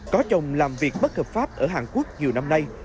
có chồng làm việc bất hợp pháp ở hàn quốc nhiều năm nay